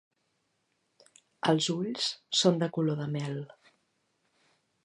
Els ulls són de color de mel.